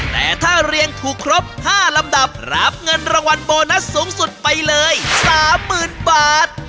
แต่ถ้าเรียงถูกครบ๕ลำดับรับเงินรางวัลโบนัสสูงสุดไปเลย๓๐๐๐บาท